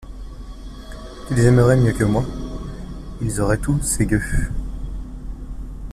Tu les aimerais mieux que moi, ils auraient tout, ces gueux!